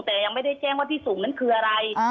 แต่ยังไม่ได้แจ้งว่าที่สูงนั้นคืออะไร